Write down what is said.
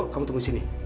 kamu tunggu sini